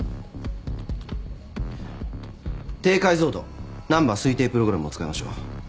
低解像度ナンバー推定プログラムを使いましょう。